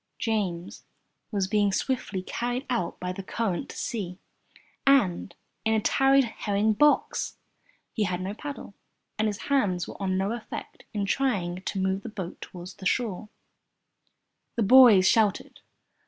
James was being swiftly carried out by the current to sea and in a tarred herring box! He had no paddle, and his hands were of no effect in trying to move the boat toward the shore. The boys shouted.